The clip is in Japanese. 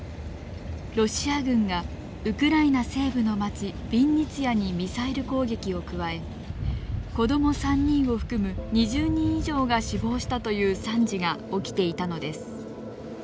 ロシア軍がウクライナ西部の町ビンニツィアにミサイル攻撃を加え子ども３人を含む２０人以上が死亡したという惨事が起きていたのです。